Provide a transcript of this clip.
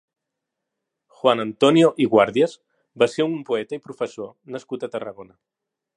Joan Antònio i Guàrdias va ser un poeta i professor nascut a Tarragona.